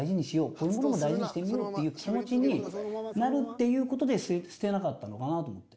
こういうものも大事にしてみようっていう気持ちになるっていう事で捨てなかったのかなと思って。